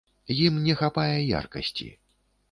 Ім не хапае яркасці.